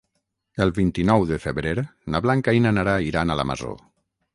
El vint-i-nou de febrer na Blanca i na Nara iran a la Masó.